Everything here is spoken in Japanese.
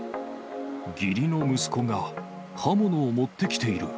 義理の息子が刃物を持ってきている。